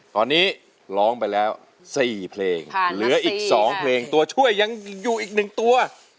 ตอนนี้ร้องไปแล้ว๔เพลงเหลืออีก๒เพลงตัวช่วยยังอยู่อีก๑ตัว